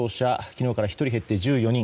昨日から１人減って１４人。